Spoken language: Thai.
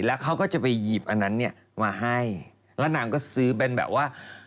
แล้วเขาก็จะไปหยิบอันนั้นเนี่ยมาให้แล้วนางก็ซื้อเป็นแบบว่า